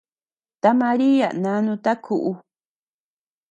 Ta Maria nanuta kuʼu.